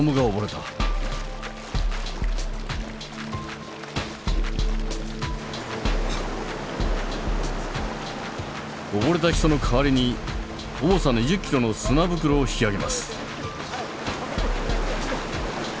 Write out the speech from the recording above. おぼれた人の代わりに重さ２０ｋｇの砂袋を引き上げます。